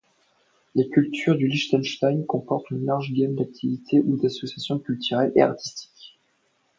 La culture du Liechtenstein comporte une large gamme d’activités ou d’associations culturelles et artistiques.